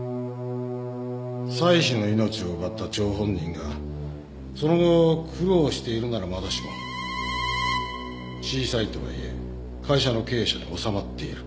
妻子の命を奪った張本人がその後苦労しているならまだしも小さいとはいえ会社の経営者に納まっている。